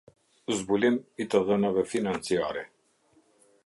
Zbulim i të dhënave financiare.